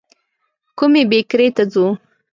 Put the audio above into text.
کومي بېکرۍ ته ځو ؟